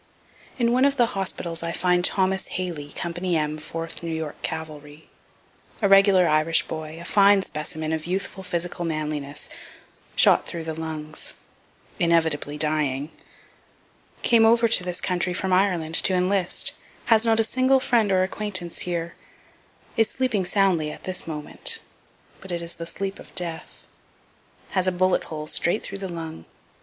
In one of the hospitals I find Thomas Haley, company M, 4th New York cavalry a regular Irish boy, a fine specimen of youthful physical manliness shot through the lungs inevitably dying came over to this country from Ireland to enlist has not a single friend or acquaintance here is sleeping soundly at this moment, (but it is the sleep of death) has a bullet hole straight through the lung.